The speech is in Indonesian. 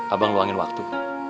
abang luangin waktu